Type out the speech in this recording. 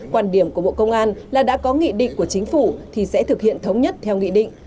quan điểm của bộ công an là đã có nghị định của chính phủ thì sẽ thực hiện thống nhất theo nghị định